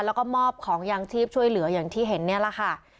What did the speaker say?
แล้วก็มอบของยางชีพช่วยเหลืออย่างที่เห็นนี่แหละค่ะ